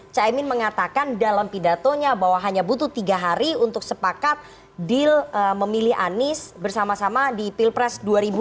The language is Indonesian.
caimin mengatakan dalam pidatonya bahwa hanya butuh tiga hari untuk sepakat deal memilih anies bersama sama di pilpres dua ribu dua puluh